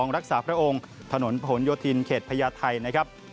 รักษาพระองค์ถนนผนโยธินเขตพญาไทยนะครับ